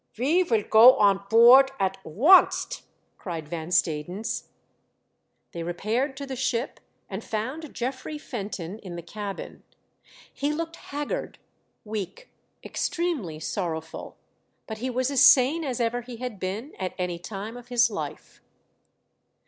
" Ve vill go on boort at oonst," cried Van Stadens. They repaired to the ship and found Geoffrey Fenton in the cabin. He looked haggard, weak, extremely sorrowful ; but he 5l8 THE DEATH SHIP. was as sane as ever he had been at any time of his Hfe.